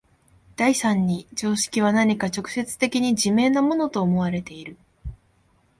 第三に常識は何か直接的に自明なものと思われている。